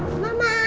tapi siapa samanya